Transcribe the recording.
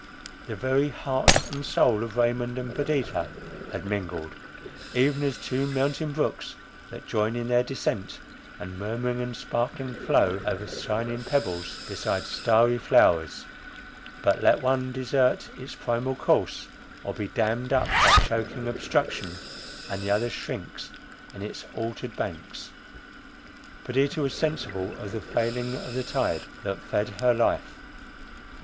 The very heart and soul of Raymond and Perdita had mingled, even as two mountain brooks that join in their descent, and murmuring and sparkling flow over shining pebbles, beside starry flowers; but let one desert its primal course, or be dammed up by choaking obstruction, and the other shrinks in its altered banks. Perdita was sensible of the failing of the tide that fed her life.